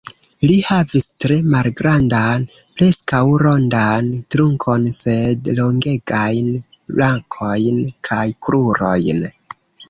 Li havis tre malgrandan, preskaŭ rondan trunkon, sed longegajn brakojn kaj krurojn.